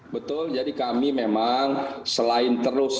betul jadi kami memang selain terus